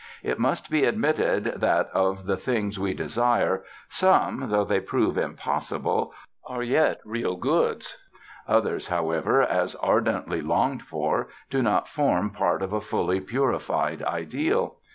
It must be admitted that, of the things we desire, some, though they prove impossible, are yet real goods; others, however, as ardently longed for, do not form part of a fully purified ideal.